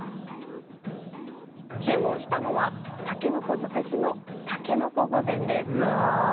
注文したのは、たけのこ尽くしのたけのこ御膳です。